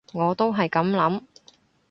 我都係噉諗